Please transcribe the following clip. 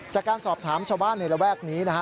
จากการสอบถามชาวบ้านในระแวกนี้นะฮะ